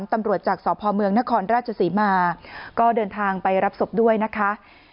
ตำรวจจากสพเมืองนครราชศรีมาก็เดินทางไปรับศพด้วยนะคะ